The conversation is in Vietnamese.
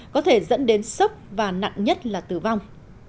có thể dẫn đến sốc và nặng nhất là tử vong